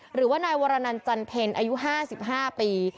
หรือว่านายวรนันจันเพ็ญอายุ๕๕ปี